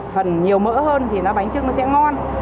phần nhiều mỡ hơn thì nó bánh trưng nó sẽ ngon